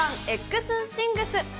エッグスンシングス。